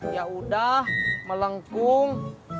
ya udah melengkung